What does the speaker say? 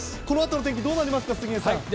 このあとの天気どうなりますか、杉江さん。